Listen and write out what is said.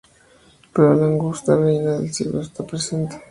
Pero la Augusta Reina del Cielo está presente.